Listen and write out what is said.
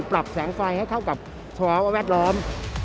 ปรับแสงไฟให้เข้ากับสภาวะแวดล้อม